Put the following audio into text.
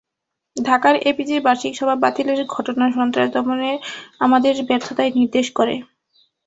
ঢাকায় এপিজির বার্ষিক সভা বাতিলের ঘটনা সন্ত্রাস দমনে আমাদের ব্যর্থতাই নির্দেশ করে।